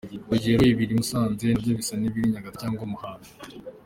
Urugero ibiri Musanze ntabwo bisa n’ibiri Nyagatare cyangwa Muhanga.